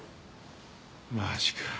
マジか。